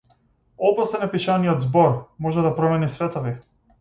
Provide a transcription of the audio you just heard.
Опасен е пишаниот збор - може да промени светови.